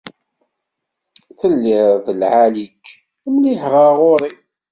Telliḍ d lɛali-k mliḥ ɣer ɣur-i.